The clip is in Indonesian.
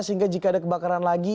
sehingga jika ada kebakaran lagi